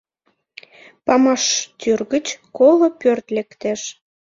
— Памаштӱр гыч коло пӧрт лектеш...